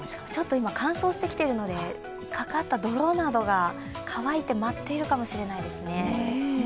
今、乾燥してきてるのでかかった泥などが乾いて舞っているかもしれないでねす。